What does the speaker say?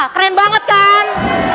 keren banget kan